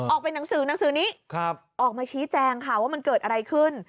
หนังสือหนังสือนี้ออกมาชี้แจงค่ะว่ามันเกิดอะไรขึ้น